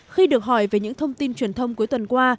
khi được hỏi về những thông tin truyền thông cuối tuần qua